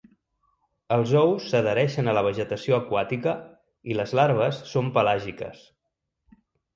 Els ous s'adhereixen a la vegetació aquàtica i les larves són pelàgiques.